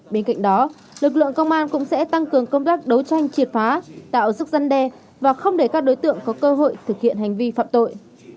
bên cạnh đó lực lượng công an cũng sẽ tăng cường công tác đấu tranh triệt phá tạo sức dân đe và không để các đối tượng có cơ hội thực hiện hành vi phạm tội